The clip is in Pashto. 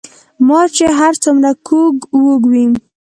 ـ مار چې هر څومره کوږ وږ وي